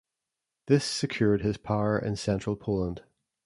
This secured his power in central Poland.